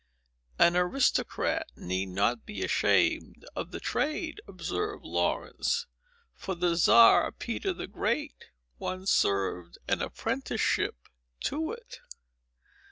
"An aristocrat need not be ashamed of the trade," observed Laurence; "for the czar Peter the Great once served an apprenticeship to it."